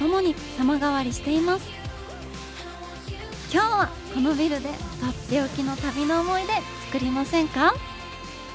今日はこのビルで取って置きの旅の思い出作りませんか？